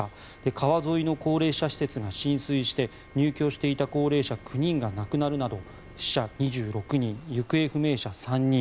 川沿いの高齢者施設が浸水して入居していた高齢者９人が亡くなるなど死者２６人、行方不明者３人